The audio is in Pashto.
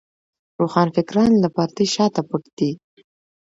روښانفکران له پردې شاته پټ دي.